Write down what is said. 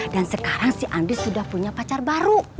dan sekarang si andries sudah punya pacar baru